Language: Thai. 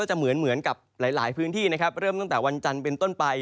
หลายพื้นที่เริ่มตั้งแต่วันจันทร์เป็นต้นไป